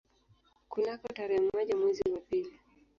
Kunako tarehe moja mwezi wa pili